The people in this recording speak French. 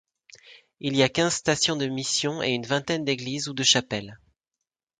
Il y a quinze stations de mission et une vingtaine d'églises ou de chapelles.